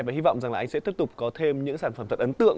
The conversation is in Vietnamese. và hy vọng rằng là anh sẽ tiếp tục có thêm những sản phẩm thật ấn tượng